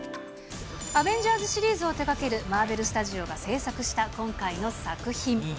アベンジャーズシリーズを手がけるマーベルスタジオが製作した今回の作品。